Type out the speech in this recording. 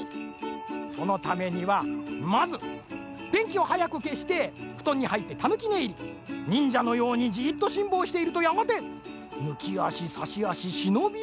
そのためにはまずでんきをはやくけしてふとんにはいってたぬきねいり。にんじゃのようにじっとしんぼうしているとやがてぬきあしさしあししのびあし。